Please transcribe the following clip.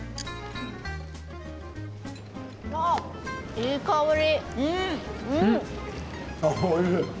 いい香り。